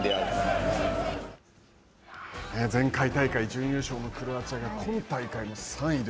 前回大会準優勝のクロアチアが今大会も３位。